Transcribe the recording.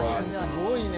すごいね。